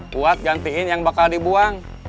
buat gantiin yang bakal dibuang